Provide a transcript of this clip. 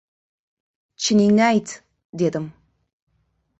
— Chiningni ayt, — dedim.